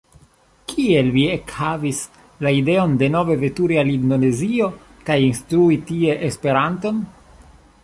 Kiel vi ekhavis la ideon denove veturi al Indonezio kaj instrui tie Esperanton?